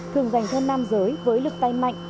thường dành theo nam giới với lực tay mạnh